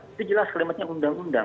itu jelas kalimatnya undang undang